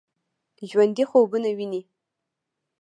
ژوندي خوبونه ويني